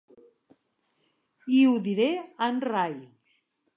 I ho diré a en Ray!